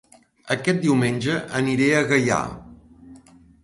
Aquest diumenge aniré a Gaià